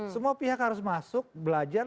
semua pihak harus masuk belajar